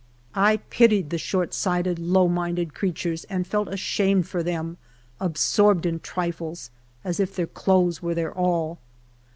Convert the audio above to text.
I pitied the short sighted, low minded creatures, and felt ashamed for them — absorbed in triiies — as if their clothes were their all